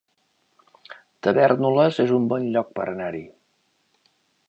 Tavèrnoles es un bon lloc per anar-hi